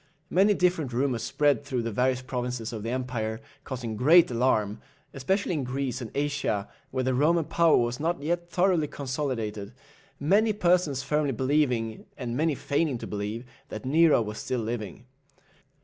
Many different rumours spread through the various provinces of the empire, causing great alarm, especially in Greece and Asia, where the Roman power was not yet thoroughly consolidated, many persons firmly believing, and many feigning to believe, that Nero was still living.